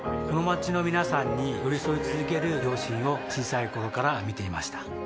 この街の皆さんに寄り添い続ける両親を小さい頃から見ていました